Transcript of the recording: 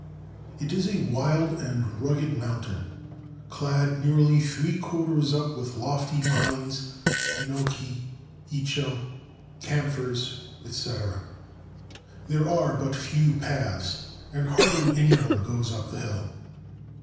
It is a wild and rugged moun tain, clad nearly three quarters up with lofty pines, yenoki, icho, camphors, etc. There are but few paths, and hardly any one goes up the hill.